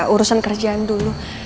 urusan kerjaan dulu